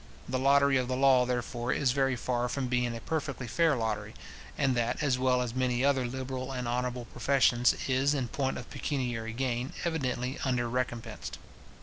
The lottery of the law, therefore, is very far from being a perfectly fair lottery; and that as well as many other liberal and honourable professions, is, in point of pecuniary gain, evidently under recompensed.